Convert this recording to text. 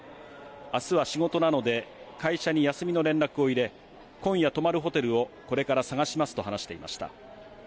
あすは仕事なので、会社に休みの連絡を入れ、今夜泊まるホテルをこれから探しますと話していました。